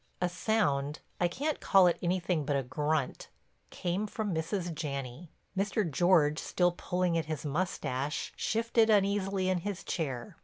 A sound—I can't call it anything but a grunt—came from Mrs. Janney. Mr. George, still pulling at his mustache, shifted uneasily in his chair.